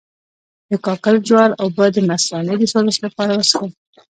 د کاکل جوار اوبه د مثانې د سوزش لپاره وڅښئ